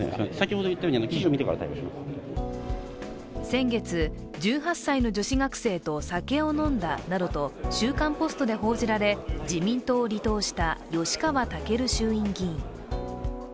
先月、１８歳の女子学生と酒を飲んだなどと「週刊ポスト」で報じられ、自民党を離党した吉川赳衆院議員。